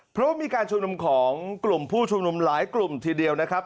เพราะว่ามีการชุมนุมของกลุ่มผู้ชุมนุมหลายกลุ่มทีเดียวนะครับ